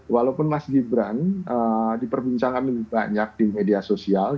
walaupun mas gibran diperbincangkan lebih banyak di media sosial